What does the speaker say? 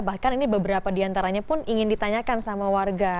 bahkan ini beberapa diantaranya pun ingin ditanyakan sama warga